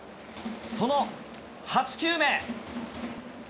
その８球目。